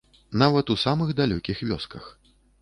Нават у самых далёкіх вёсках.